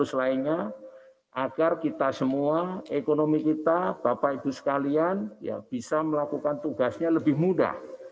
terus lainnya agar kita semua ekonomi kita bapak ibu sekalian bisa melakukan tugasnya lebih mudah